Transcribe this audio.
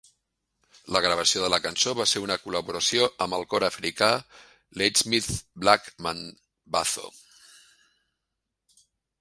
La gravació de la cançó va ser una col·laboració amb el cor africà Ladysmith Black Mambazo.